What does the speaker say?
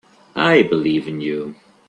I believe in you.